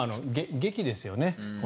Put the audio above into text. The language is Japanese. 檄ですよね。